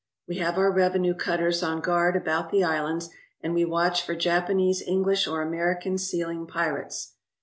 We have our revenue cutters on guard about the islands, and we watch for Japanese, English, or American sealing pirates.